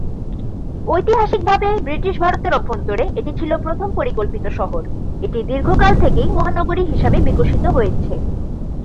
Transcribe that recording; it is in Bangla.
ঐতিহাসিকভাবে ব্রিটিশ ভারতের অভ্যন্তরে এটি ছিল প্রথম পরিকল্পিত শহর, এটি দীর্ঘকাল থেকেই মহানগরী হিসাবে বিকশিত হয়েছে।